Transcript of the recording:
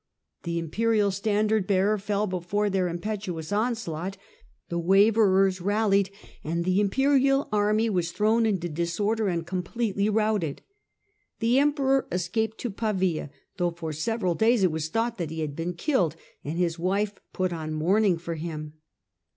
The imperial standard bearer fell before their impetuous onslaught, the waverers rallied, and the im perial army was thrown into disorder and completely routed. The Emperor escaped to Pavia, though for several days it was thought that he had been killed, and his wife put on mourning for him.